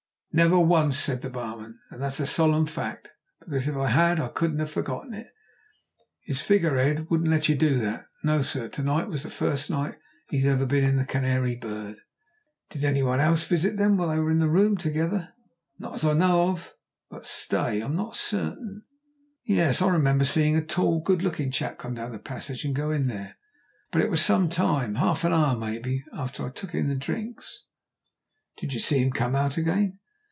"Never once," said the barman, "and that's a solemn fact, because if I had I couldn't have forgotten it. His figure head wouldn't let you do that. No, sir, to night was the first night he's ever been in the Canary Bird." "Did any one else visit them while they were in the room together?" "Not as I know of. But stay, I'm not so certain. Yes; I remember seeing a tall, good looking chap come down the passage and go in there. But it was some time, half an hour maybe, after I took in the drinks." "Did you see him come out again?"